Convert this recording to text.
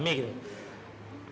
kemudian kita bisa mencoba